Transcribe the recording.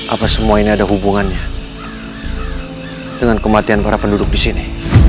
apa semua ini ada hubungannya dengan kematian para penduduk di sini